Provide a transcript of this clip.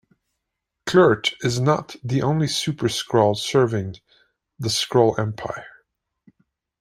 Kl'rt is not the only Super-Skrull serving the Skrull Empire.